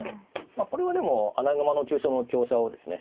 これはでも穴熊の急所の香車をですね